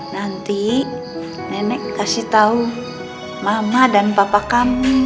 nanti nenek kasih tahu mama dan papa kamu